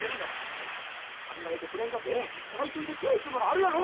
せやから考えてくれんかてええ抱いといてくれっちゅうのもあるやろ！？